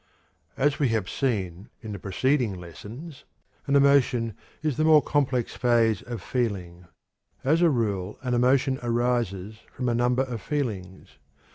As we have seen in the preceding lessons, an emotion is the more complex phase of feeling. As a rule an emotion arises from a number of feelings.